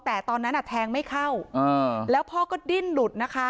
แต่ตอนนั้นแทงไม่เข้าแล้วพ่อก็ดิ้นหลุดนะคะ